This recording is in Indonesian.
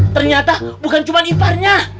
ternyata bukan cuman infarnya